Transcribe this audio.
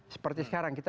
seperti sekarang kita